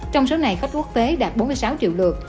trong số này khách quốc tế đạt bốn mươi sáu triệu lượt